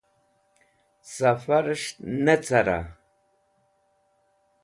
Sẽfarẽs̃h ne cara?